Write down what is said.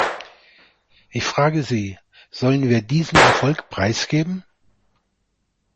Ich frage Sie, sollen wir diesen Erfolg preisgeben?